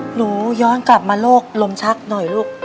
หนูย้อนกลับมาโรคลมชักหน่อยลูก